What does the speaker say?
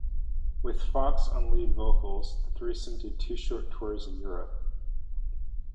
With Fox on lead vocals, the threesome did two short tours in Europe.